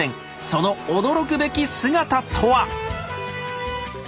その驚くべき姿とは？